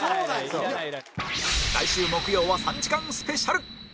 来週木曜は３時間スペシャル